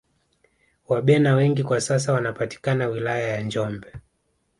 Wabena wengi kwa sasa wanapatikana wilaya ya njombe